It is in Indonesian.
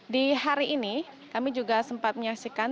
di hari ini kami juga sempat menyaksikan